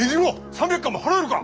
３百貫も払えるか！